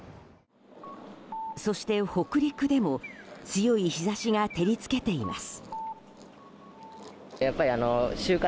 そして、北陸でも強い日差しが照り付けています。